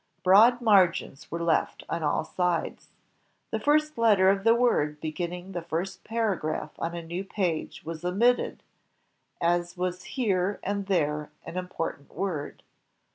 Broad margins were left on all sides. The first letter of the word beginning the first paragraph on a new page was omitted, as was here and there an im portant word.